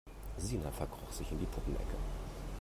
Sina verkroch sich in die Puppenecke.